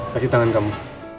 kasih tangan kamu